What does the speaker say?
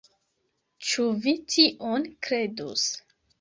Ĉu vi tion kredus!